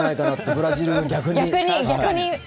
ブラジルが、逆に。